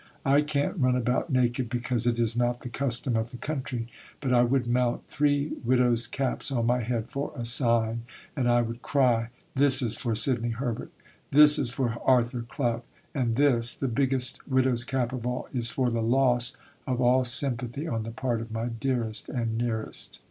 I can't run about naked because it is not the custom of the country. But I would mount three widows' caps on my head, "for a sign." And I would cry, This is for Sidney Herbert, This is for Arthur Clough, and This, the biggest widow's cap of all, is for the loss of all sympathy on the part of my dearest and nearest.